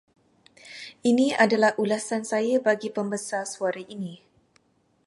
Ini adalah ulasan saya bagi pembesar suara ini.